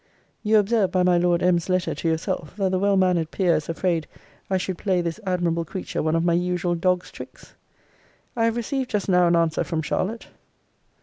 You observe by my Lord M.'s letter to yourself, that the well manner'd peer is afraid I should play this admirable creature one of my usual dog's tricks. I have received just now an answer from Charlotte.